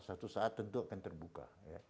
suatu saat tentu akan terbuka